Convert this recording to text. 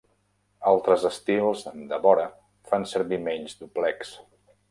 Altres estils de vora fan servir menys doblecs.